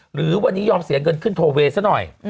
หรือวันนี้ยอมเสียเงินขึ้นโทเวย์ซะหน่อย